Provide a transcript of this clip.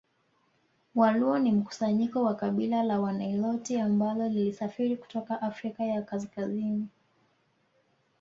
Waluo ni mkusanyiko wa kabila la Waniloti ambalo lilisafiri kutoka Afrika ya Kaskazini